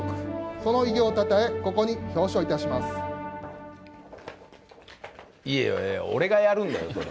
その偉業をたたえ、ここに表彰いいやいや、俺がやるんだよ、それ。